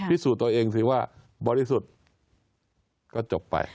พิสูจน์ตัวเองสิว่าบริสุทธิ์ก็จบไป